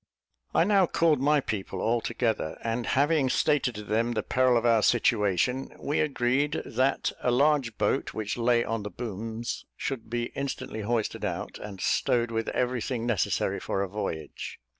I now called my people all together, and having stated to them the peril of our situation, we agreed that a large boat, which lay on the booms, should be instantly hoisted out, and stowed with every thing necessary for a voyage.